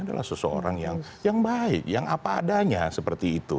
adalah seseorang yang baik yang apa adanya seperti itu